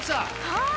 はい。